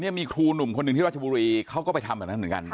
มีครูหนุ่มคนหนึ่งที่ราชบุรีเขาก็ไปทำแบบนั้นเหมือนกัน